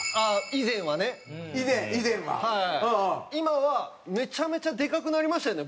今はめちゃめちゃでかくなりましたよね